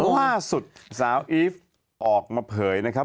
ล่าสุดสาวอีฟออกมาเผยนะครับ